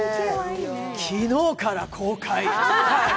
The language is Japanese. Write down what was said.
昨日から公開。